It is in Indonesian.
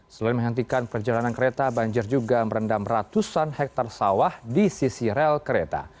selain menghentikan perjalanan kereta banjir juga merendam ratusan hektare sawah di sisi rel kereta